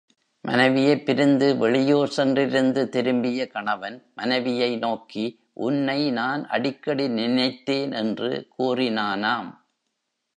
மனைவியைப் பிரிந்து வெளியூர் சென்றிருந்து திரும்பிய கணவன், மனைவியை நோக்கி, உன்னை நான் அடிக்கடி நினைத்தேன் என்று கூறினானாம்.